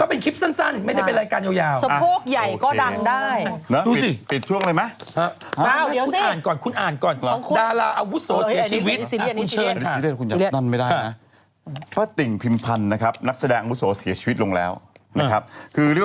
ก็เป็นทราบสันไม่ได้เป็นรายการยาว